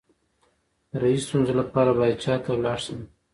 د روحي ستونزو لپاره باید چا ته لاړ شم؟